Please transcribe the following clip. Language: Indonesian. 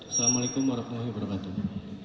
assalamu'alaikum warahmatullahi wabarakatuh